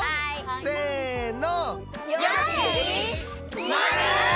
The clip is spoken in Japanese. せの。